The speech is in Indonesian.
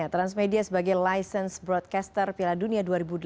transmedia sebagai license broadcaster piala dunia dua ribu delapan belas